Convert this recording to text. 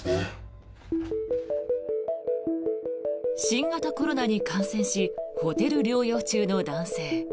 新型コロナに感染しホテル療養中の男性。